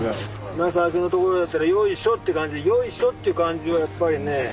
なあ最初の所だったらよいしょって感じでよいしょっていう感じはやっぱりね